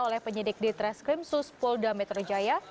oleh penyidik di treskrim sus polda metro jaya